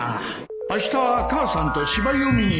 あしたは母さんと芝居を見に行くんだよ